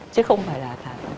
chứ không phải là